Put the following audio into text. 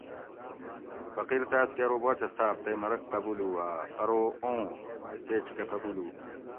فقیر تاۤس کہ ارو باچہ صاۤب تئ مرگ قبُولوُ آۤ ؟ ارو اُوں مئ سیچکہ قبُولُو